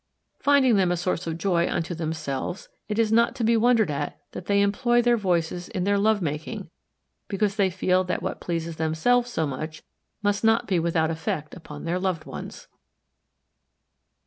Finding them a source of joy unto themselves it is not to be wondered at that they employ their voices in their love making because they feel that what pleases themselves so much must not be without effect upon their loved ones.